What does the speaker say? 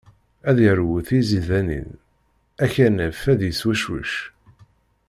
Ad yeṛwu tiẓidanin, akanaf ad yeswecwic.